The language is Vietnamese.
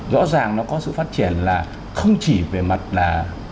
rõ ràng nó có sự phát triển là không chỉ về mặt là